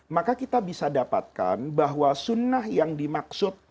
maka kita bisa dapatkan bahwa sunnah itu adalah sunnah yang diperdebatkan belakangan ini